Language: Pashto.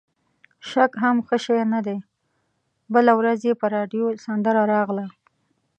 شک هم ښه شی نه دی، بله ورځ یې په راډیو سندره راغله.